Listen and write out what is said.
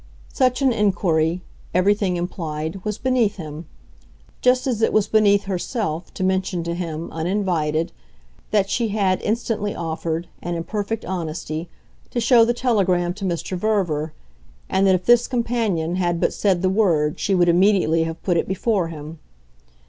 Such an inquiry, everything implied, was beneath him just as it was beneath herself to mention to him, uninvited, that she had instantly offered, and in perfect honesty, to show the telegram to Mr. Verver, and that if this companion had but said the word she would immediately have put it before him.